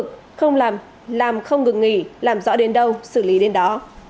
không làm không ngừng nghỉ làm rõ đến đâu xử lý đến đó